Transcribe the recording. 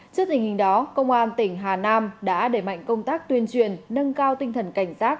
trước tình hình đó công an tỉnh hà nam đã đẩy mạnh công tác tuyên truyền nâng cao tinh thần cảnh giác